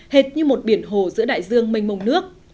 hệt như một biển hồ giữa đại dương mênh mông nước